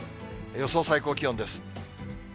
予想最高気温です。